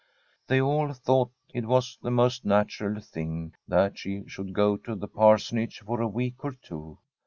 They all thought it was the most natural thing that she should go to the Parsonage for a week or two.